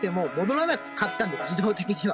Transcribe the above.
自動的には。